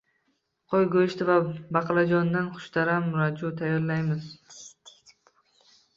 Qo‘y go‘shti va baqlajondan xushta’m ragu tayyorlaymiz